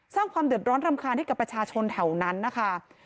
สร้างความเดือดร้อนรำคาญให้กับประชาชนแถวนั้นนะคะ